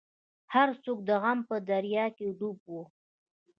هر څوک د غم په دریا کې ډوب وو.